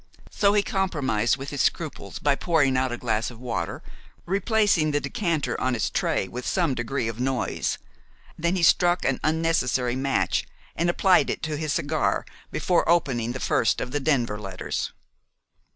So he compromised with his scruples by pouring out a glass of water, replacing the decanter on its tray with some degree of noise. Then he struck an unnecessary match and applied it to his cigar before opening the first of the Denver letters.